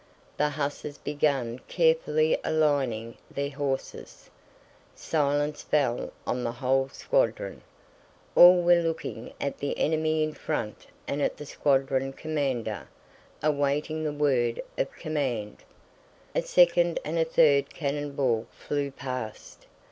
The hussars began carefully aligning their horses. Silence fell on the whole squadron. All were looking at the enemy in front and at the squadron commander, awaiting the word of command. A second and a third cannon ball flew past.